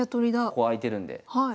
ここ開いてるんで。